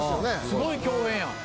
すごい共演やん。